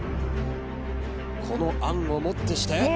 このあんをもってして。